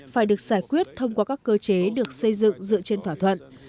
phải được giải quyết thông qua các cơ chế được xây dựng dựa trên thỏa thuận